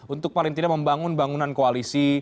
untuk paling tidak membangun bangunan koalisi